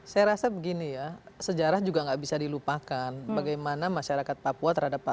saya rasa begini ya sejarah juga nggak bisa dilupakan bagaimana masyarakat papua terhadap papua